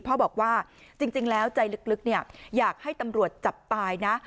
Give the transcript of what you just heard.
พ่อบอกว่าจริงแล้วใจลึกอยากให้ตำรวจจับตายนะ